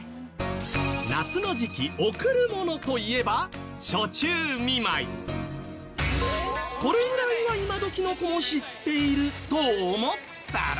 夏の時期送るものといえばこれぐらいは今どきの子も知っていると思ったら。